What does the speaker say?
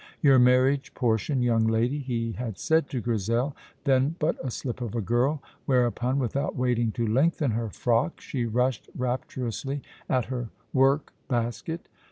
"Your marriage portion, young lady," he had said to Grizel, then but a slip of a girl, whereupon, without waiting to lengthen her frock, she rushed rapturously at her work basket.